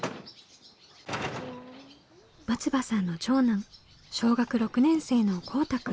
松場さんの長男小学６年生のこうたくん。